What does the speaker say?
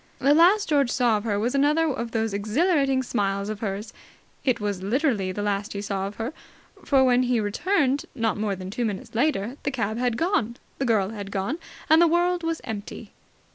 The last George saw of her was another of those exhilarating smiles of hers. It was literally the last he saw of her, for, when he returned not more than two minutes later, the cab had gone, the girl had gone, and the world was empty.